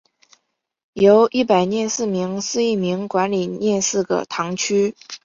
由一百廿四名司铎名管理廿四个堂区。